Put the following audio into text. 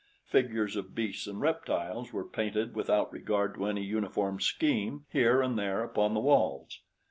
Figures of reptiles and beasts were painted without regard to any uniform scheme here and there upon the walls.